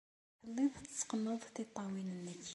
Telliḍ tetteqqneḍ tiṭṭawin-nnek.